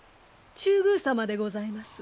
中宮様でございます。